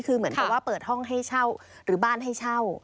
คือเหมือนกับว่าเปิดห้องให้เช่าหรือบ้านให้เช่า